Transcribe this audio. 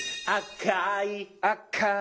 「赤い」「赤い」